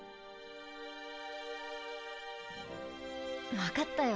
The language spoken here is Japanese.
分かったよ。